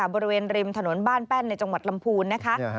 บริเวณริมถนนบ้านแป้นในจังหวัดลำพูนนะคะ